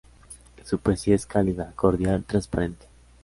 Su poesía es cálida, cordial, transparente.